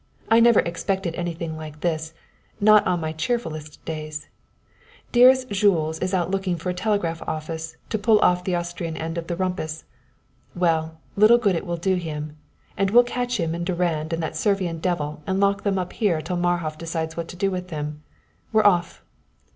I never expected anything like this not on my cheerfulest days. Dearest Jules is out looking for a telegraph office to pull off the Austrian end of the rumpus. Well, little good it will do him! And we'll catch him and Durand and that Servian devil and lock them up here till Marhof decides what to do with him. We're off!"